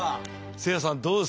せいやさんどうですか？